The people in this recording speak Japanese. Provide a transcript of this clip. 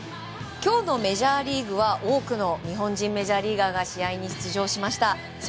今日のメジャーリーグは多くの日本人メジャーリーガーが試合に出場しました。